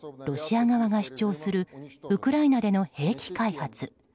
ロシア側が主張するウクライナでの兵器開発。